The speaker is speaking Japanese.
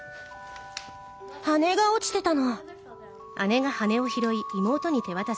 羽根が落ちてたの。